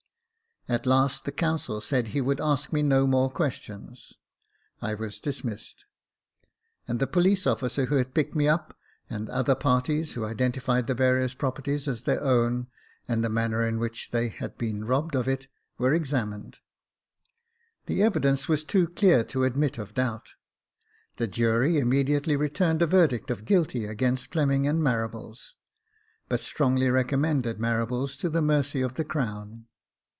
At last the counsel said he would ask me no more ques tions. I was dismissed ; and the police officer who had picked me up, and other parties who identified the various property as their own, and the manner in which they had Jacob Faithful 89 been robbed of it, were examined. The evidence was too clear to admit of doubt. The jury immediately returned a verdict of guilty against Fleming and Marables, but strongly recommended Marables to the mercy of the crown.